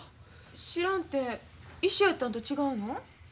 知らんて一緒やったんと違うの？